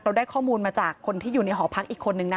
ได้ข้อมูลมาจากคนที่อยู่ในหอพักอีกคนนึงนะ